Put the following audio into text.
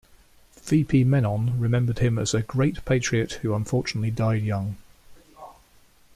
V P Menon remembered him as "Great Patriot who unfortunately died young".